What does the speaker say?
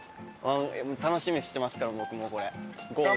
楽しみにしてますから僕もこれゴール着くの。